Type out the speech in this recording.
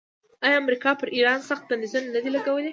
آیا امریکا پر ایران سخت بندیزونه نه دي لګولي؟